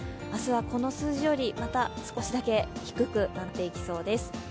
明日はこの数字よりまた少しだけ低くなっていきそうです。